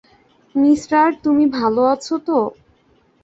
Mister, তুমি ভালো আছ তো?